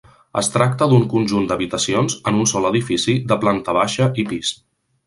Es tracta d'un conjunt d'habitacions, en un sol edifici, de planta baixa i pis.